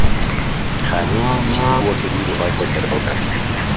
خانی ویستی بووە کە بیرو ڕای خۆی دەرببڕێت